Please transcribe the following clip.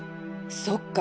そっか。